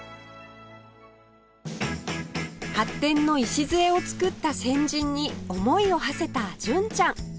発展の礎を作った先人に思いをはせた純ちゃん